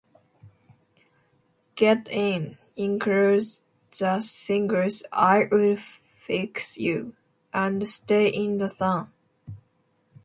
"Get In" includes the singles "I Would Fix You" and "Stay in the Sun".